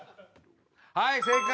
はい正解。